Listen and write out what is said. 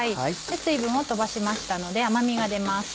水分を飛ばしましたので甘みが出ます。